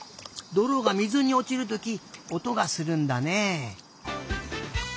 どろが水におちるときおとがするんだね。